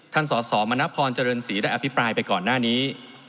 สสมณพรเจริญศรีได้อภิปรายไปก่อนหน้านี้